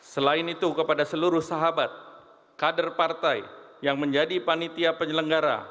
selain itu kepada seluruh sahabat kader partai yang menjadi panitia penyelenggara